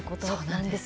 そうなんです。